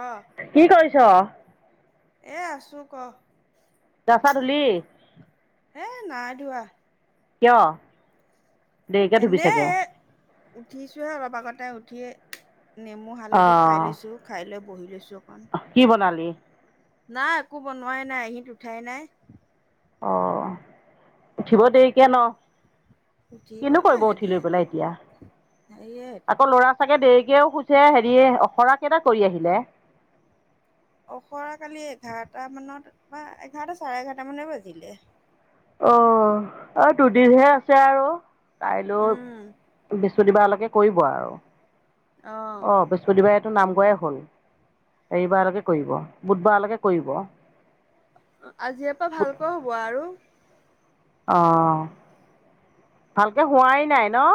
অ কি কৰিছ? এ আছো ক। গা চা ধূলি। হে নাই ধোৱা। কিয় দেৰিকে ধুবি চাগে। উঠিছোঁহে অলপ আগতে উঠি নেমু, হালধি খাই লৈছোঁ অঁ খাই লৈ বহি লৈছোঁ। কি বনালি? নাই একো বনোৱাই নাই ইহিত উঠাই নাই। অ'উঠিব দেৰি কে ন। উঠিব কিনো নাই কৰিব উঠি সিহঁতিয়ে লৈ পেলাই এতিয়া। হেৰিয়ে সেইটো আকৌ লৰা চাগে দেৰিকেও খুইছে। হেৰি অখৰাৰাক কেইটা কৰি আহিলে। অখৰা কালি এঘাৰটা মানত বা এঘাৰটা চাৰে এঘাৰটা মানে বাজিলে। অ' দুদিনহে আছে আৰু কাইলৈ। উম বৃ বৃহস্পতিবাৰলৈকে কৰিব আৰু অ' বৃহস্পতিবাৰে। নামঘৰে হ'ল, হেৰী বাৰলৈকে কৰিব বুধবাৰৰ লৈকে কৰিব। আজিৰে পৰা ভালকৈ হ'ব আৰু। অ' ভালকে হোৱাই নাই ন।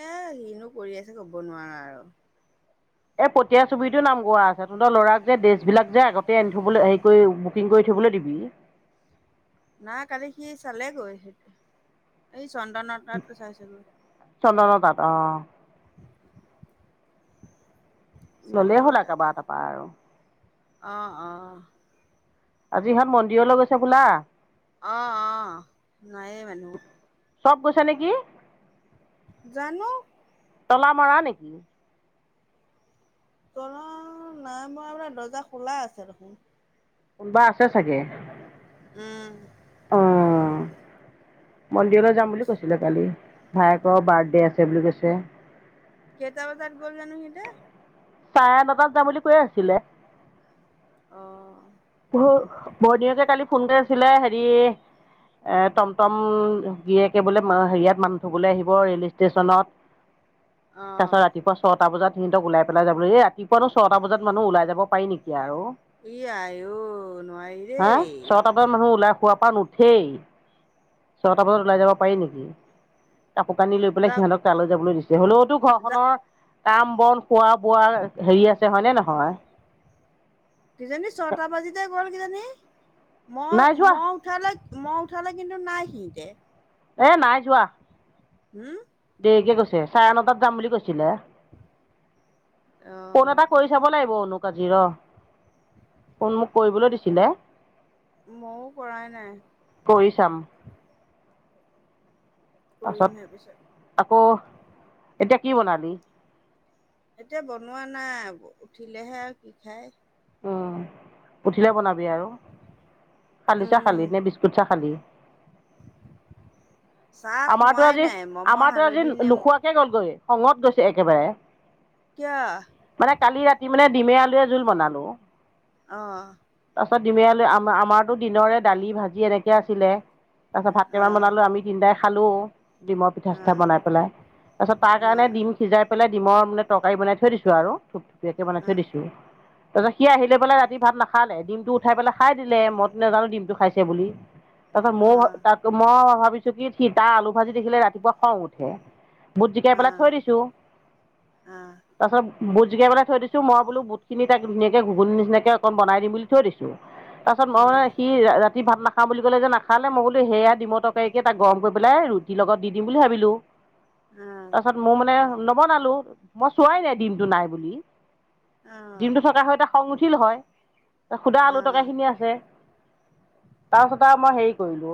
এ, হীনো কৰি আছে ক'ব নোৱাৰা আৰু। এই পঠীয়া ছবিটো নাম গোৱা আছে, তহঁতৰ ল'ৰাক যে ড্ৰেছবিলাক যে আগতে আনি থবলৈ হেৰি কৰি বুকিং কৰি থৈ উঠিবলৈ দিবি। নাই কালি সি চালেগৈ, এই চন্দন তাত চাইছিলগৈ। চন্দনৰ তাত অ'। ল'লেই চালেগৈ হ'ল তাত আৰু তাৰপা তাৰপা আৰু। অ', অ'। আজিহন মন্দিৰলৈ গৈছে বোলা। অ', অ' নায়েই মানুহ। চব গৈছে নেকি। জানো। তলা মৰা নেকি? তলা নাই মৰা মানে, দৰ্জা খোলা আছে দেখোন। কোনোবা আছে চাগে। উম, অঁ মন্দিৰলৈ যাম বুলি কৈছিলে কালি, ভায়েকৰ বাৰ্থডে আছে বুলি কৈছে। কেইটা বজাত গ'ল জানো সিহঁতে। চাৰে নটাত যাম বুলি কৈ আছিলে। অ'। বৰদিনকে কালি ফোন কৰি আছিলে হেৰি এ, টম টম গিৰিয়েকে বোলে মা-হেৰিয়াত মানুহ থবলৈ আহিব ৰেল ষ্টেচনত। অ'। তাৰপিছত ৰাতিপুৱা ছটা বজাত সিহঁতক ওলাই পেলাই যাবলৈ, এ, ৰাতিপুৱা ছয়টা বজাত মানুহ ওলাই যাব পাৰি নেকি আৰু? ইয়াই। অ', ছটা বাজাত মানুহ ওলাই সুৱাৰ পৰা নুঠেই। ছটা বজাত ওলাই যাব পাৰি নেকি? কাপোৰ কানি লৈ পেলাই যাওক সিহঁতক তালৈ যাবলৈ দিছে। হ'লেওতো যা ঘৰখনৰ কাম বন, খোৱা বোৱা হেৰি আছে হয়নে নহয়? কিজনী ছটা বাজিতে গ'ল কিজানী, নাই যোৱা মই-মই উঠালে মই উঠালে কিন্তু নাই সিহঁতে। এ, নাই যোৱা। হুম? দেৰিকে কৈছে, চাৰে নটাত যাম বুলি কৈছিলে। ফোন এটা অ'। কৰি চাব লাগিব অনুক আজি ৰ। ফোন মোক কৰিবলৈ দিছিলে, ময়ো কৰাই নাই কৰি চাম। পাছত কৰিমহে পিছত। আকৌ এতিয়া কি বনাবি। এতিয়া বনোৱা নাই, উঠিলেহে আ কি খাই। অ' উঠিলে বনাবি আৰু। খালী চাহ উম। খালি নে, বিস্কুট চাহ খালী? চাহ আমাৰতো খোৱাই আজি, নাই মম' আমাৰতো আজি হালধি নেমু নোখোৱাকে গ'লগৈ। খঙত গৈছে একেবাৰে। কিয় মানে কালি ৰাতি মানে ডিমে আলুৱে জোল বনালো। আহ। তাৰ পাছত দিমে আলুই আমাৰতো দিনৰে দালি-ভাজি এনেকে আছিলে। তাৰ পাছত ভাতকেইটমান অহ বনালো আমি দিনদাই খালো। ডিমৰ পিঠা-চিঠা অহ বনাই পেলাই, তাৰ পাছত তাৰ কাৰণে ডিম সিজাই পেলাই ডিমৰ মানে তৰকাৰী বনাই থৈ দিছো আৰু থুপ থুপীয়াকে বনাই অহ অহ থৈ দিছো। তাৰপিছত সি আহিলৈ পেলাই ৰাতি ভাত নাখালে ডিমটো উঠাই পেলাই খাই দিলে মইটো নোজানো ডিমটো খাইছে বুলি। তাৰপাছত মই তাত মই ভাবিছো কি সি তা আলু ভাজি দেখিলে ৰাতিপুৱা খং উঠে। বুট জিকাই অহ অহ অহ অহ অহ অহ অহ অহ অহ পেলাই থৈ দিছো তাৰপিছত বুট জিকাই পেলাই থৈ দিছোঁই বুটখিনি ত ধুনীয়াক ঘূগুনি নিচিনাক অকণ বনাই দিম থৈ দিছোঁ। তাৰপাছত মই মানে সি ৰাতি ভাত নাখাওঁ বুলি ক'লে যে নাখালে মই বোলো সেয়া ডিমটকাৰীকে তাক গৰম কৰি পেলাই ৰুটিৰ লগত দি দিম বুলি ভাবিলোঁ তাৰপিছত মোৰ মানে। নবনালো মই চোৱাই নাই ডিমটো নাই বুলি ডিমটো থকা সৈতে সং উঠি ঠিল হয়, খুদা আলু টৰকাইখিনি আছে। তাৰপিছত আৰু মই হেৰি কৰিলো।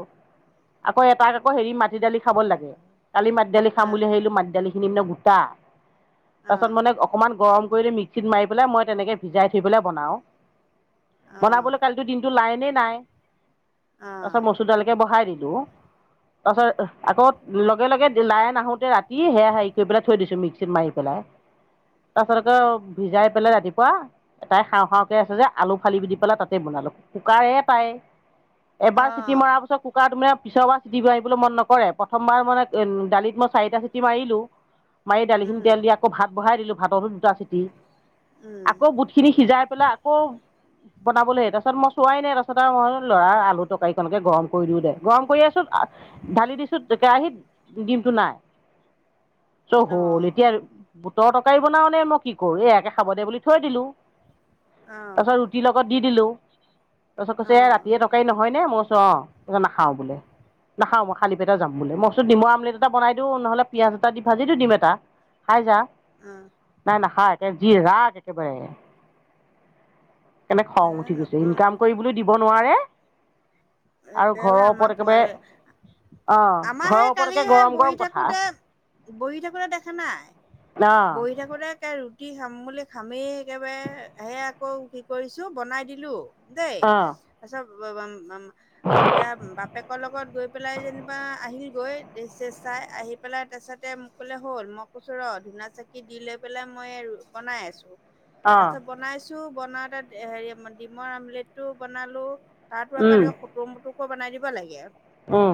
আকৌ এটাক আকৌ হেৰি মাতি মাটি দালি খাব লাগে। কালি মাত দালি খাম বুলি ভাবিলো মাত দালি খিনি ন গোটা। তাৰপিছত মানে অকমান গৰম কৰি মিক্সিত মাৰি পেলাই মই তেনেকে ভিজাই থৈ পেলাই বনাওঁ। বনাবলৈ কালিতো দিনটো লাইনে নাই। অহ অহ তাৰছত মচুৰডাইলকে বহাই দিলো। তাৰপাছত আকৌ লগে লগে লাই আহোতে ৰাতি সেয়া হেৰি কৰি পেলাই থৈ দিছো মিক্সিত মাৰি পেলাই। তাৰপিছত ভিজাই পেলাই ৰাতিপুৱা এটাই খাওঁ খাওঁকে আছে যে আলু ফালি দি পেলাই তাতে বনাই কুকাৰে পাই। এবাৰ চিটি মৰাৰ অহ পিছত কুকাৰ তুমি পিছৰবাৰ [unintelligible] মন নকৰে। প্ৰথমবাৰ মানে উ দালিত মই চাৰিটা চিটি মাৰিলো। মাৰি দালিখিনি উম তেল দি, আকৌ ভাত বহাই দিলোঁ। ভাততো দুটা চিটি উম আকৌ বুটখিনি সিজাই পেলাই আকৌ বনাবলৈহে তাৰপাছত মই চোৱাই নাই। তাৰপাছত আৰু মই ল'ৰা আলু তৰকাৰীখনকে গৰম কৰি দিওঁ দে। গৰম কৰি আছো ঢালি দিছো কেৰাহিত দিমতটো নাই। চ অহ হ'ল এতিয়া বুটৰ তৰকাৰী বনাও নে মই কি কৰো। এয়াকে খাব দে বুলি থৈ দিলো। তাৰ অহ পিছত ৰুটিৰ লগত দি দিলো। তাৰপাছত অহ কৈছে অহ ৰাতিৰে তটকাৰী নহয় নে? মই কৈছো অ, নাখাও বোলে। খা মই খালি পেটা যাম বুলে। মই কৈছো ডমৰই আমলেট এটা বনাই দিওঁ নহ'লে পিয়াজ এটা দি ভাজি দিও দিম এটা খাই যা, নাই নাখায় যি ৰাগ একেবাৰে। সেইকাৰণে খং এ উঠি গৈছে, নকয় ইনকাম কৰিবলৈ দিব নোৱাৰে আৰু একেবাৰে ঘৰৰ আমাৰ ওপৰত একেবাৰে পোৱালি অঁ আমাৰ ঘৰৰ সেই ওপৰত একে কালিহে গৰম বহি গৰম কথা থাকোতে, বহি থাকোতে দেখা নাই। অঁ বহি থাকোতে ৰুটি খাম বুলি খামেই একেবাৰে সে আকৌ কি কৰিছো বনাই দিলো। দেই, অঁ তাৰছত বা-বা- হেৰি বাপেকৰ লগত গৈ পেলাই যেনিবা আহিল গৈ। দেছে-চেছ চাই আহি পেলাই, তাৰপিছতে মোক ক'লে হ'ল মই কৈছো ৰ ধুনা চাকি দি লৈ পেলাই মই বনাই আছো। তাৰ অঁ পিছত বনাইছো, বনাও তাত হেৰি ডিমৰ আমলেটটো বনালো। তাতো আকৌ এনেকে সুতু-মুতুকো বনাই দিব লাগে। আহ।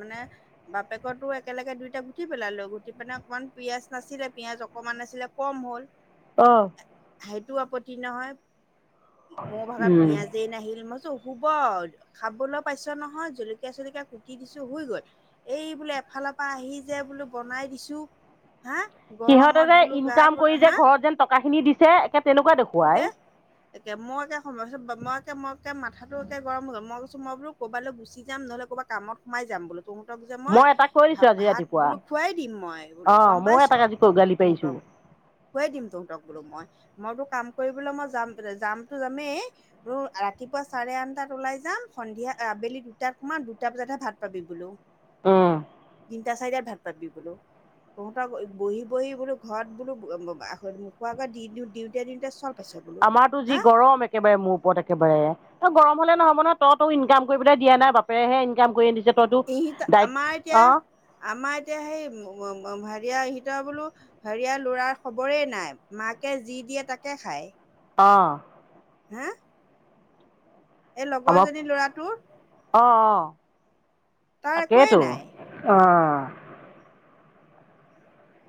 মানে বাপেকতো একেলগে দুইটা গুঠি পেলালো গুঠি পাননে অকনমান পিয়াজ নাছিলে অকমান আছিলে কম হ'ল। অ। সেইটো আপত্তি নহয়। মোৰ ভাগত উম পিয়াজেই নাহিল। মই হব খাবলৈ পাইছ নহয় জলকীয়া চলকীয়া কুটি দিছো শুই গল এই বোলে এফালৰ পৰা আহি যে বোলো বনাই দিছোঁ সিহঁতে যে ইনকাম কৰি যে হা ঘৰত যেন টকাখিনি দিছে একে তেনেকুৱা দেখুৱাই। এতিয়া মো [unintelligible] বা মই। এতিয়া মই একে মাথাটো এতিয়া গৰম হৈ গ'ল। মই কৈছো মই বোলো ক'বালৈ গুচি যাম নহলে কবাত কামত সোমাই যাম বোলো। তহঁতক যে মই এটাক কৈ দিছোঁ আজি ভা-ভাত ৰাতিপুৱা বোলো খোৱাই দিম মই বোলো অ গম ময়ো পাইছ? এটাক আজি গালি পাৰিছো তহঁতক। খোৱাই দিম তহঁতক বোলো মই। মইতো কাম কৰিবলৈ মই যাম যামতো যামেই তোৰ ৰাতিপুৱা চাৰে আঠটাত ওলাই যাম। সন্ধিয়া আবেলি দুটাত সোমাম দুটা বজাতহে ভাত পাবি বোলো। অ'। তিনিটা-চাৰিটাত ভাল পাবি বোলো। তহঁতক বহি বহি বোলো ঘৰত বোলো ব-বা আ মুখৰ আগত দি-দিওঁতে দিওঁতে চব আমাৰতো যি গৰম একেবাৰে মোৰ ওপৰত একেবাৰে। গৰম হ'লে নহ'ব নহয়, তই তো ইনকাম কৰি পেলাই দিয়া নাই, বাপেৰেহে ইনকাম কৰি আনিছে তইতো ই দায়িত আমাৰ অ এতিয়া, আমাৰ এতিয়া সেই ম-ম হেৰিয়াৰ সি ত' বোলো হেৰিয়াৰ ল'ৰাৰ খবৰেই নাই, মাকে যি দিয়ে তাকে খায়। অ', হাঁ? অলপ ল'ৰাটোৰ অ', অ'। তাৰ একোৱেই তাকেইটো নাই অ',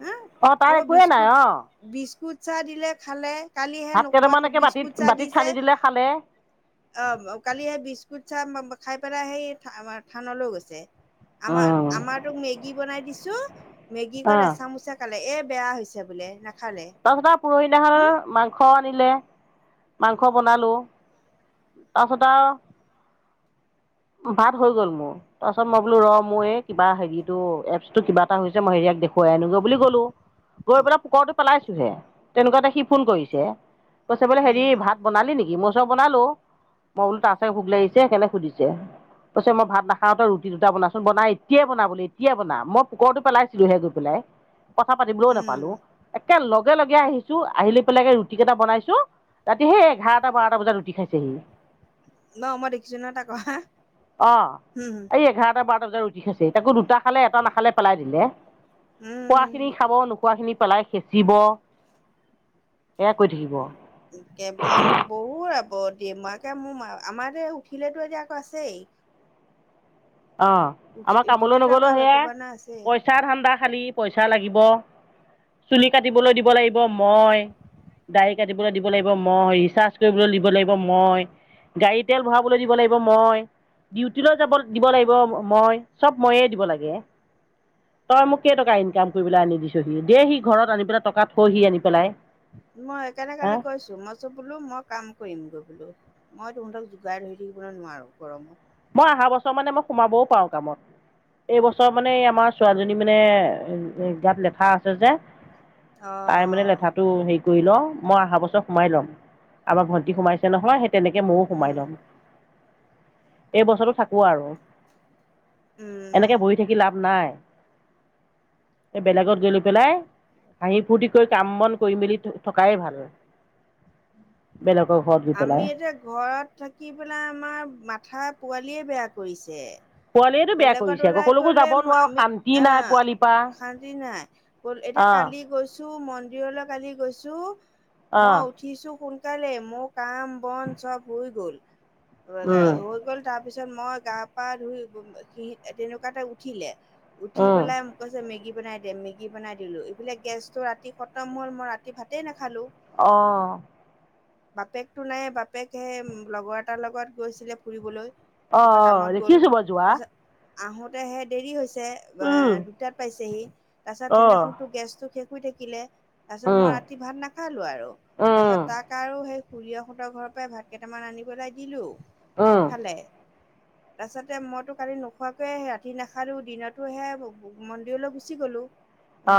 হা অ', তাৰ একোৱে নাই অ', চা দিলে খালে কালি হে ভাত নোখোৱাকৈ কেইটামানকে বাতিত, বিস্কুট চাহ বাতিত দিছে সানি দিলে খালে। অ', কালি সেই বিস্কুট চা মম খাই পেলাই সেই থা-থানলৈ গৈছে। আমাৰ উম আমাৰ তোক মেগী বনাই দিছো অ মেগীকন এচামুচে খালে এ, বেয়া হৈছে বোলে, না তা পাছত আউ পুৰহি দিনাখন মাংস আনিলে মাংস বনালোঁ, তাৰছত আৰু ভাত হৈ গল মোৰ, তাৰপাছত মই বোলো ৰ' মোৰ এই কিবা হেৰিটো এপছটো কিবা এটা হৈছে মই হেৰিয়াক দেখ কৈ আনোগৈ বুলি গ'লো, গৈ পেলাই! ! ! ! ! ! ! ! ! ! পেলাইছোঁহে, তেনেকুৱাতে সি ফোন কৰিছে কৈছে বোলে হেৰি উম ভাত বনালি নিকি? মইছো অ', বনালো। মই বোলো তাৰ চাগে ভোক লাগিছে সেইকেণে সুধিছে। কৈছে মই ভাত নাখাওঁ তই ৰুটি দুটা বনাচোন। বনা ইতিয়াই বনা বোলে ইতিয়াই বনা। মই! ! ! ! ! ! ! ! ! ! পেলাইছিলোহে গৈ পেলাই। কথা পাতিবলৈও উম নেপালো। একে লগে লগে আহিছো আহিলৈ পেলাই ৰুটি কেইটা বনাইছো ৰাতি সেই এঘাৰটা বাৰটা বজাত ৰুটি খাইছেহি। ন, মই দেখিছো নহয় তাক অহা, উ, উ। তাৰপিছত ৰুটি খাইছে, তাকো দুটা খালে, এটা নাখালে পেলাই দিলে। খোৱা উম খিনি খাব নোখোৱা খিনি পেলাই সেঁচিব, এয়া কৰি থাকিব। কেম্প আম বহুৰাপ অ', দিমাকে মোৰ আমাৰ উঠিলেতো এতিয়া আকৌ আছেই। অ', উঠি আমা কামলৈ উঠিলেতো নগলেও আকৌ সেয়া, ভেকুৱানা আছেই পইচা ধান্দা। খালী পইচা লাগিব, চুলি কাটিবলৈ দিব লাগিব মই দাড়ি কাটিবলৈ দিব লাগিব মই, ৰিচাৰ্চ কৰিবলৈ দিব লাগিব মই। গাড়ী তেল ভৰাবলৈ দিব লাগিব মই, ডিউটিলৈ যাবল দিব লাগিব মই, চব ময়েই দিব লাগে। তই মোক কেইটকা ইনকাম কৰিপেলাই আনি দিছহি? দেহি ঘৰত আনি পেলাই টকা থহি আনি পেলাই। মই সেইকাৰণে হা কালি কৈছো, মইচো বোলো মই কাম কৰিমগৈ বোলো। মই তহঁতক যোগাৰ ধৰি থাকিবলৈ নোৱাৰো গৰমত। মই অহা বছৰ মানে মই সোমাবও পাৰো কামত। এইবছৰ মানে এই আমাৰ ছোৱালীজনী মানে গাত লেঠা আছে যে, অ অ তাই মানে লেঠাটো হেৰিত কৰি লও, মই অহা বছৰ সোমাই লম। আমাৰ ভন্টি সোমাইছে নহয় সেই তেনেকৈ ময়ো উম সোমাই ল'ম। এই বছৰটো থাকোঁ আৰু। উম এনেক বহি থাকি লাভ নাই। এ বেলেগত [unintelligible] পেলাই। হাঁহি ফূৰ্তি কৰি কাম-বন কৰি মেলি থ-থকাই ভাল। বেলেগক আমি এতিয়া ঘৰত থাকি পেলাই আমাৰ মাথা পোৱালিয়ে বেয়া কৰিছে। পোৱালিয়েটো বেয়া বেলেগত কৰিছে আকৌ ওলাই কলোকৈ গ'লে যাব নোৱাৰো আমি শান্তি নাই আহ পোৱালি পৰা। শান্তি নাই গ'ল এতিয়া অ কালি গৈছ মন্দিৰলৈ কালি গৈছো, অ মই উঠিছো সোনকালে মোক কাম বন চব হৈ গ'ল, [unintelligible] উম হৈ গ'ল তাৰ তাৰপিছত মই গা পা ধুই [unintelligible] তেনেকুৱাঁতে উঠিলে। উঠি উম পেলাই মোক কৈছে মেগী বনাই দে মেগী বনাই দিলো। এইফালে গেছটো ৰাতি খতম হ'ল মই ৰাতি ভাতেই নেখালো। অ'। বাপেকটো নাই বাপেক হেই লগৰ এটাৰ লগত গৈছিলে ফুৰিবলৈ। অ', অ', দেখিছো মই যোৱা। আহোঁতে সেই দেৰি হৈছে, উম এ দুটাত পাইছেহি, তাৰ পাছত অ সিদিনাখনতো গেছটো শুই থাকিলে, তাৰপিছত মই উম ৰাতি ভাত নাখালো আৰু, তাৰপিছত উম তাক আৰু সেই খুুৰীয়েকহঁতৰ ঘৰৰ পৰাই ভাত কেইটামান আনিবলৈ দিলো, উম খালে। তাৰপাছতে মইতো কালি নোখোৱাকৈয় ৰাতি নাখালো, দিনতো সেয়া মন্দিৰলৈ গুচি গলো।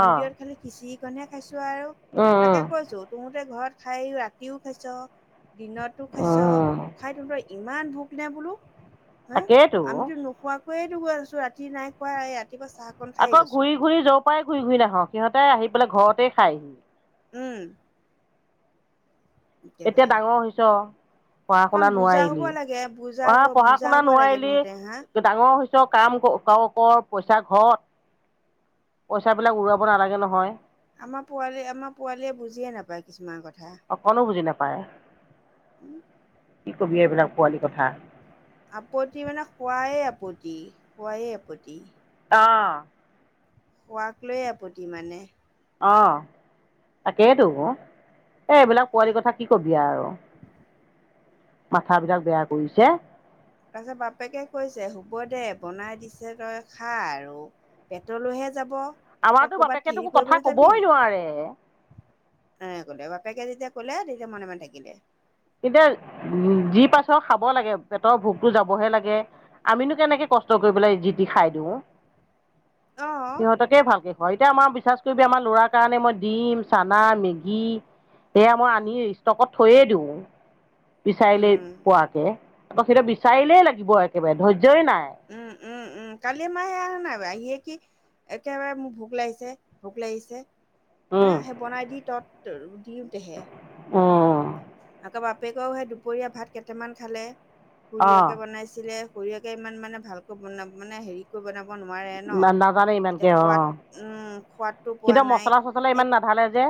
অ খালি খিচিৰিকণহে খাইছোঁ আৰু, উম উম তাকে কৈছোঁ তঁহুতে ঘৰত খাই ৰাতিও খাইছোঁ, দিনতো খাইছোঁ উম খাই [unintelligible] ইমান ভোক নে বোলো, হা, তাকেইতো আমিতো নোখোৱাক [unintelligible] আছো ৰাতি নাই কোৱা ইয়াত আকৌ ঘূৰি ঘূৰি যোৰ পৰাই ঘূৰি ঘূৰি নাহক, সিহঁতে আহি পেলাই ঘৰতে খায়হি। উম। এতিয়া একেবাৰে ডাঙৰ হৈছো পঢ়া অকণ শুনা বুজা হ'ব নোৱাৰিলি, লাগে বুজা এয়া পঢ়া বুজা শুনা হ'ব লাগে নোৱাৰিলি, তহঁতে হা ডাঙৰ হৈছো কাম কাম কৰ পইচা ঘৰত। পইচাবিলাক উৰুৱাব নালাগে নহয়। আমাৰ পোৱালি, আমাৰ পোৱালীয়ে বুজিয়ে নাপায় কিছুমান কথ অকণো বুজি নাপায়। [inaudible] কি কবি এইবিলাক পোৱালি কথা আপত্তি মানে খোৱায়ে আপত্তি, খোৱাই আপত্তি। অ'। খোৱাক লৈ আপত্তি মানে। অ'। তাকেইতো অ', এই এইবিলাক পোৱালিৰ কথা কি কবি আৰু। মাথা বিলাক বেয়া কৰিছে। তাৰপিছত বাপেকে কৈছে, হ'ব দে বনাই দিছে তই খা আৰু। পেটলৈহে যাব। তই আমাৰতো ক'ৰবাত বাপেকেতো হেৰি কথা কৰিবলৈ যাবি ক'বই নি নোৱাৰে। এনে বাপেকে যেতিয়া কলে তেতিয়া মনে মনে থাকিলে। এতিয়া যি পাইছো খাব লাগে, পেটৰ ভোকতো যাবহে লাগে, আমিনো কেনেকে কষ্ট কৰি পেলাই জিতি খাই দিওঁ। অ সিহঁতকে ভালকে অ' এতিয়া আমাৰ বিশ্বাস কৰিবি আমাৰ ল'ৰাৰ কাৰণে মই ডিম, চানা, মেগী সেয়া মই আনি ষ্টকত থৈয়ে দিওঁ। বিচাৰিলেই উম পোৱাকে, সেইটো বিচাৰিলেই লাগিব একেবাৰে ধৈৰ্যই নাই। উম, উম, কালি মই হি আহা নাই আহিয়ে কি একেবাৰে মোক ভোক লাগিছে, ভোক লাগিছে। হে উম সেই বনাই দি ত'ত দিওঁতেহে। অহ' আকৌ বাপেকেও সেই দুপৰীয়া ভাত কেইটামান খালে অ সুুৰিয়েকে বনাইছিলে। খুৰিয়েকে ইমান মানে ভালকৈ বনাব মানে হেৰিকৈ বনাব নোৱাৰে ন। নাজানে এতিয়া ইমানকে সোৱাদ অ' উম সোৱাদটো সিহঁতৰ মচলা চচলা ইমান নাঢালে যে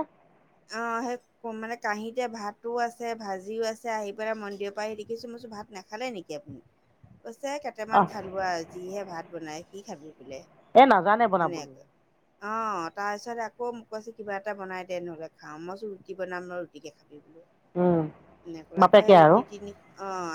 অ' সেই মানে কাহীতে ভাত। ভাত আছে, ভাজিও আছে আহি পেলাই মন্দিৰৰ পৰা আহি দেখিছো মই চো ভাত নাখালে নেকি আপুনি কৈছে কেইটামান অহ খালো আৰু যিহে ভাত বনাই সি খাবি। বোলে এ নাজানে বনাবলৈ। অ তাৰপিছত আকৌ মোক কৈছে কিবা এটা বনাই দে নহ'লে খাওঁ, মই কৈছো ৰুটি বনাম ৰ ৰুটিকে খাবি। উম। এনেকৈ আকৌ সেই বাপেকে আৰু ৰুটি তিনি অঁ